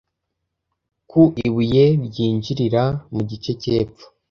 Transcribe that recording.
ku ibuye ryinjirira mu gice cy’epfo